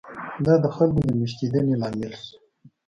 دا د خلکو د مېشتېدنې لامل شو.